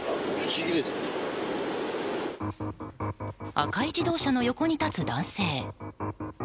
赤い自動車の横に立つ男性。